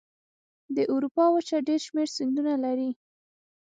د اروپا وچه ډېر شمیر سیندونه لري.